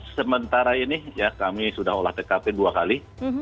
sementara ini ya kami sudah olah tkp dua kali